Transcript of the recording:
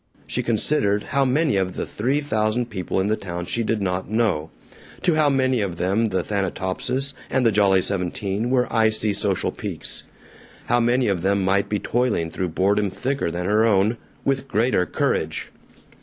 She considered how many of the three thousand people in the town she did not know; to how many of them the Thanatopsis and the Jolly Seventeen were icy social peaks; how many of them might be toiling through boredom thicker than her own with greater courage.